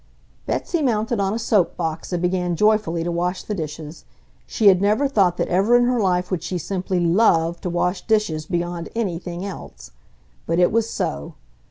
Betsy mounted on a soap box and began joyfully to wash the dishes. She had never thought that ever in her life would she simply LOVE to wash dishes beyond anything else! But it was so.